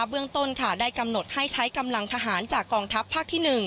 เบื้องต้นค่ะได้กำหนดให้ใช้กำลังทหารจากกองทัพภาคที่๑